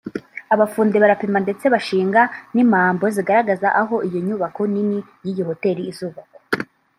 abafundi barapima ndetse bashinga n’imambo zigaragaza aho inyubako nini y’iyo hoteli izubakwa